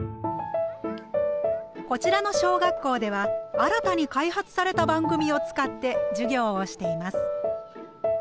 こちらの小学校では新たに開発された番組を使って授業をしています。